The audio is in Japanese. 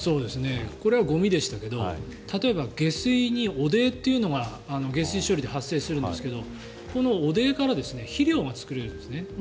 これはゴミでしたけど例えば下水に汚泥というのが下水処理で発生するんですがこの汚泥から肥料が作れるんです。